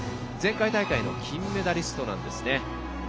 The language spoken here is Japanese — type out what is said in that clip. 前回大会の金メダリストなんですね。